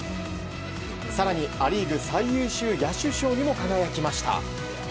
更に、ア・リーグ最優秀野手賞にも輝きました。